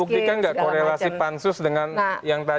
bisa membuktikan nggak korelasi pansus dengan yang tadi